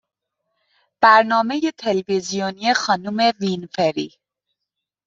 برنامه تلویزیونی خانم وینفری